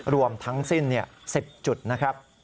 รวมทั้งสิ้น๑๐จุดนะครับ